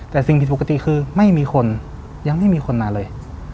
แต่สิ่งผิดปกติคือไม่มีคนยังไม่มีคนมาเลย